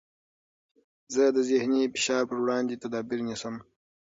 زه د ذهني فشار پر وړاندې تدابیر نیسم.